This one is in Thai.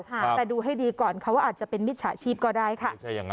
แต่ดูให้ดีก่อนเขาอาจจะเป็นมิจฉาชีพก็ได้ค่ะ